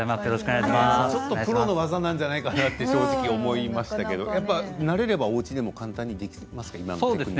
ちょっとプロの技なんじゃないかなと思いましたけど慣れれば、おうちでも簡単にできますか？